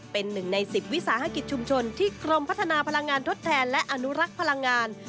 เป็นหนึ่งใน๑๐วิสาหกิจชุมชนที่กรมพัฒนาพลังงานทดแทนและอนุรักษ์พลังงาน